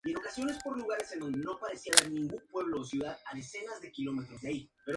Son a menudo curiosos y les gusta investigar y zambullirse o bucear.